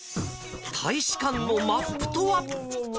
大使館のマップとは。